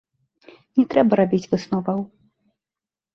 Не трэба рабіць высноваў.